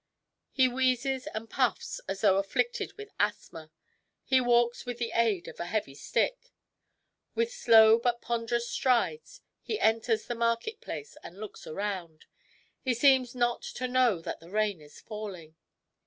He wheezes and puffs as though afflicted with asthma. He walks with the aid of a heavy stick. With slow but ponderous strides he enters the market place and looks around. He seems not to know that the rain is falling.